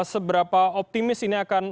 seberapa optimis ini akan